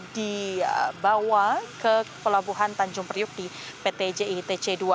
dibawa ke pelabuhan tanjung priuk di pt jiitc ii